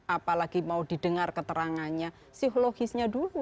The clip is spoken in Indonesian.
apalagi mau didengar keterangannya psikologisnya dulu